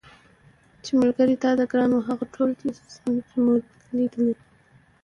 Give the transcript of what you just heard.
چي ملګري تاته ګران وه هغه ټول دي زمولېدلي